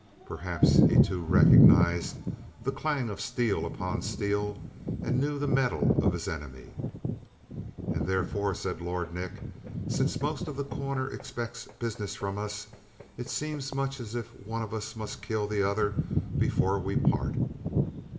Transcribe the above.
Perhaps he, too, recognized the clang of steel upon steel and knew the metal of his enemy. "And therefore," said Lord Nick, "since most of The Corner expects business from us, it seems much as if one of us must kill the other before we part."